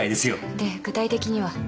で具体的には？